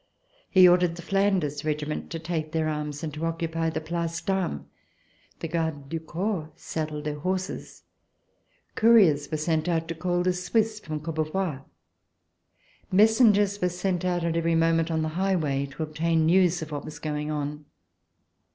He ordered the Flanders Regiment to take their arms and to occupy the Place d'Armes. The Gardes du Corps saddled their horses. Couriers RECOLLECTIONS OF THE REVOLUTION were sent out to call the Swiss from Courbevoie. Messengers were sent out at every moment on the highway to obtain news of what was going on.